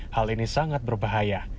hal ini sangat berbahaya